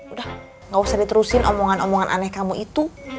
udah gak usah diterusin omongan omongan aneh kamu itu